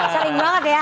sering banget ya